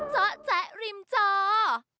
เจ้าแจ๊ะริมเจ้า